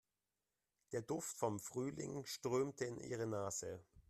Der Duft von Frühling strömte in ihre Nase.